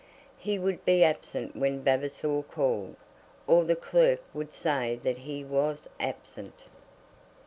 He would be absent when Vavasor called, or the clerk would say that he was absent.